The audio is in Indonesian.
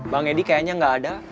bang edi kayaknya nggak ada